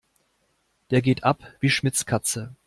Der geht ab wie Schmitz' Katze.